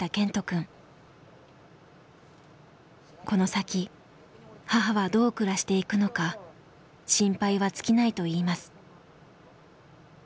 この先母はどう暮らしていくのか心配は尽きないといいます。